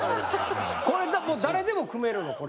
これ誰でも汲めるの？